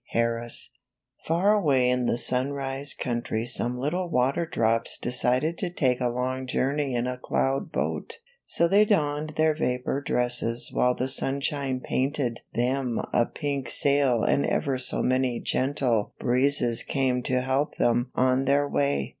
HARRIS Far away in the sunrise country some lit tle water drops decided to take a long journey in a cloud boat. So they donned their vapor dresses while the sunshine painted them a pink sail and ever so many gentle breezes came to help them on their way.